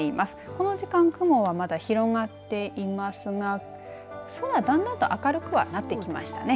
この時間雲は、まだ広がっていますが空、だんだんと明るくはなってきましたね。